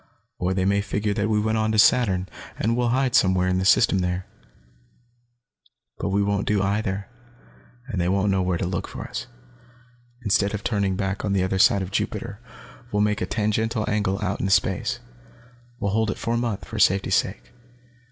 Or they may figure that we went on to Saturn, and will hide somewhere in the system there. "But we won't do either, and they won't know where to look for us. Instead of turning back on the other side of Jupiter, we'll make a tangential angle out into space. We'll hold it for a month, for safety's sake.